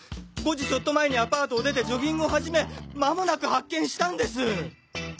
５時ちょっと前にアパートを出てジョギングを始めまもなく発見したんです！